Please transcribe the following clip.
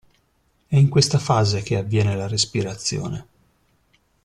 È in questa fase che avviene la respirazione.